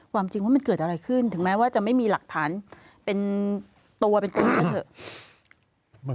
ความจริงว่ามันเกิดอะไรขึ้นถึงแม้ว่าจะไม่มีหลักฐานเป็นตัวเป็นตัวเถอะ